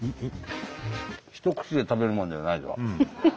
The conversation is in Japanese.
一口で食べるもんじゃない。